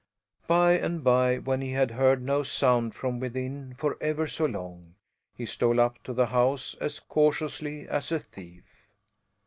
By and by, when he had heard no sound from within for ever so long, he stole up to the house as cautiously as a thief.